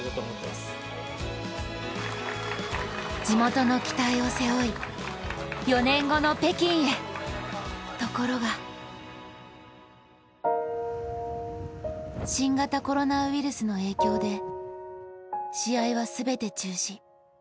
地元の期待を背負い４年後の北京へ、ところが新型コロナウイルスの影響で試合は全て中止。